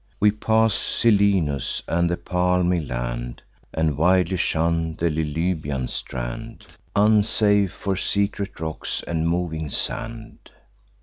We pass'd Selinus, and the palmy land, And widely shun the Lilybaean strand, Unsafe, for secret rocks and moving sand.